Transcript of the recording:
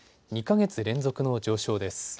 ２か月連続の上昇です。